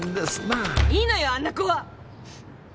いいのよあんな子は。